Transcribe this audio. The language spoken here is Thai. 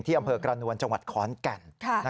อำเภอกระนวลจังหวัดขอนแก่น